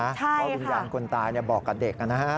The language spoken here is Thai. ใช่ค่ะเพราะวิญญาณคนตายบอกกับเด็กนะครับ